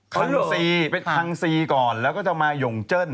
ครั้งซีเป็นคังซีก่อนแล้วก็จะมาหย่งเจิ้น